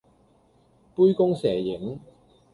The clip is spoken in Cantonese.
杯弓蛇影